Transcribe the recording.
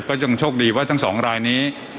ก็ยังโชคดีว่าทั้งสองรายนี้